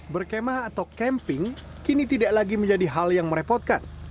berkemah atau camping kini tidak lagi menjadi hal yang merepotkan